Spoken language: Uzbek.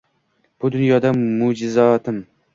Bu dunyoda moʼʼjizotim.